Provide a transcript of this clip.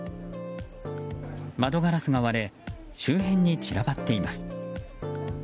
窓ガラスが割れ周辺に散らばっています。